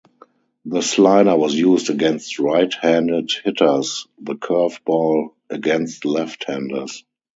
The slider was used against right-handed hitters, the curveball against left-handers.